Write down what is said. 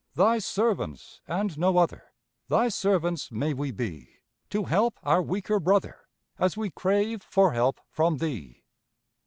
Thy servants, and no other, Thy servants may we be, To help our weaker brother, As we crave for help from Thee!